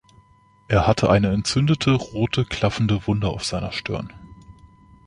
Er hatte eine entzündete rote, klaffende Wunde auf seiner Stirn.